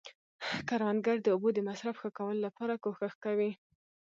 کروندګر د اوبو د مصرف ښه کولو لپاره کوښښ کوي